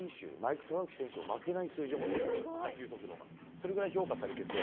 それぐらい評価されていて。